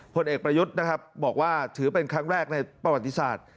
ผลเอกประยุทธ์นะครับบอกว่าถือเป็นครั้งแรกในประวัติศาสตร์